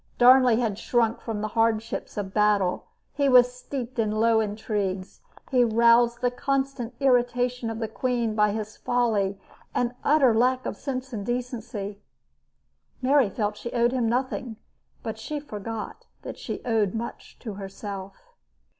Darnley had shrunk from the hardships of battle. He was steeped in low intrigues. He roused the constant irritation of the queen by his folly and utter lack of sense and decency. Mary felt she owed him nothing, but she forgot that she owed much to herself.